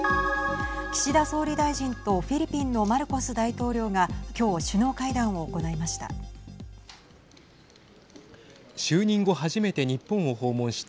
岸田総理大臣とフィリピンのマルコス大統領が今日、首脳会談を行いました。